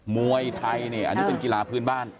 มวยไทยเนี่ยอันนี้เป็นกีฬาพื้นบ้าน